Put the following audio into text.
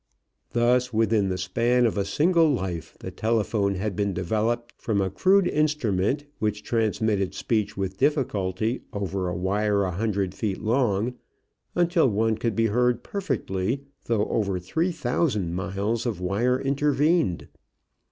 Thus, within the span of a single life the telephone had been developed from a crude instrument which transmitted speech with difficulty over a wire a hundred feet long, until one could be heard perfectly, though over three thousand miles of wire intervened.